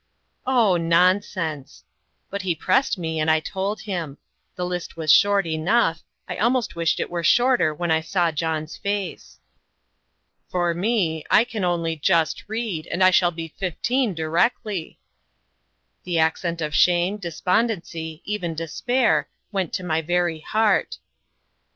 "Oh nonsense!" But he pressed me, and I told him. The list was short enough; I almost wished it were shorter when I saw John's face. "For me I can only just read, and I shall be fifteen directly!" The accent of shame, despondency, even despair, went to my very heart.